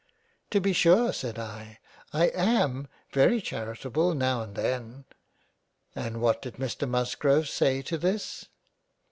" To be sure said I, I am very Charitable every now and then. And what did Mr Musgrove say to this